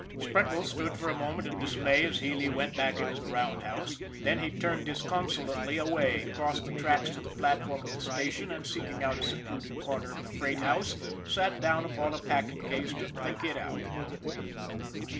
" Speckles stood for a moment in dismay as Healy went back into the roundhouse; then he turned dis consolately away, crossed the tracks to the platform of the station, and, seeking out a secluded corner of the freight house, sat down upon a packing case to think it out.